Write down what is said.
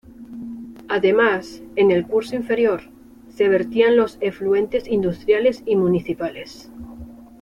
Además, en el curso inferior, se vertían los efluentes industriales y municipales.